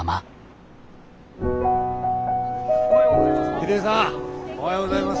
ヒデさんおはようございます。